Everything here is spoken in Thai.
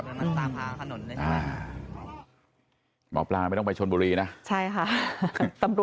เกิดให้รองอัพเพศครับ